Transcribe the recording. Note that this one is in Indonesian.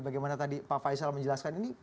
bagaimana tadi pak faisal menjelaskan ini